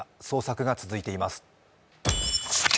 捜索が続いています。